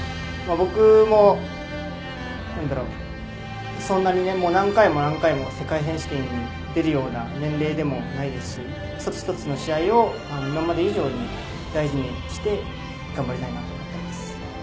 僕も、そんなに何回も何回も世界選手権に出るような年齢でもないですし１つ１つの試合を今まで以上に大事にして頑張りたいと思っています。